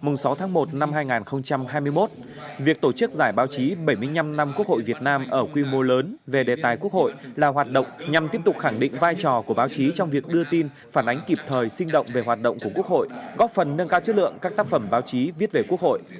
mùng sáu tháng một năm hai nghìn hai mươi một việc tổ chức giải báo chí bảy mươi năm năm quốc hội việt nam ở quy mô lớn về đề tài quốc hội là hoạt động nhằm tiếp tục khẳng định vai trò của báo chí trong việc đưa tin phản ánh kịp thời sinh động về hoạt động của quốc hội góp phần nâng cao chất lượng các tác phẩm báo chí viết về quốc hội